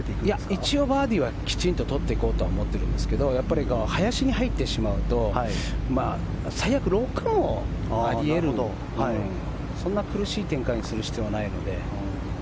一応バーディーはきちっと取っていこうと思うんですが林に入ってしまうと最悪、６もあり得るそんな苦しい展開にする必要はないので。